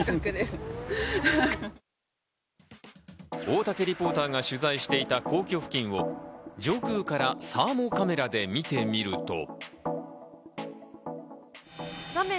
大竹リポーターが取材していた皇居付近を、上空からサーモカメラで見てみると。